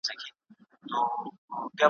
خو په اوسنیو شرایطو کي ,